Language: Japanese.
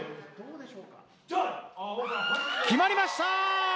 決まりました！